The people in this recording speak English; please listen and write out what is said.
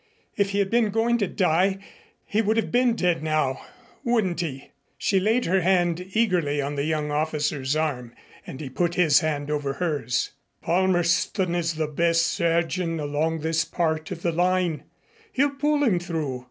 If he had been going to die, he would have been dead now, wouldn't he?" She laid her hand eagerly on the young officer's arm and he put his hand over hers. "Palmerston is the best surgeon along this part of the line. He'll pull him through.